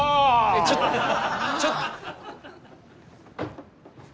ちょっとちょっと！